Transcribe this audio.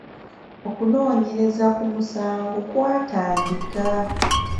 Okunoonyereza ku musango kwakatandika.